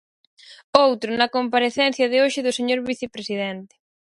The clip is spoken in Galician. Outro, na comparecencia de hoxe do señor vicepresidente.